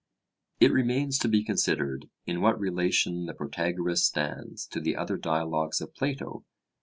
It remains to be considered in what relation the Protagoras stands to the other Dialogues of Plato.